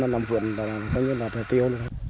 làm vườn là phải tiêu